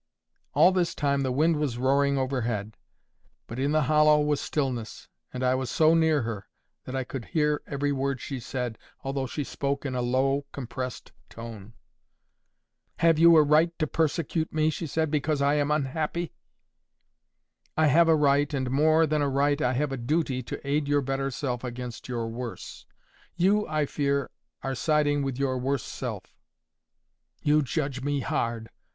All this time the wind was roaring overhead. But in the hollow was stillness, and I was so near her, that I could hear every word she said, although she spoke in a low compressed tone. "Have you a right to persecute me," she said, "because I am unhappy?" "I have a right, and, more than a right, I have a duty to aid your better self against your worse. You, I fear, are siding with your worse self." "You judge me hard.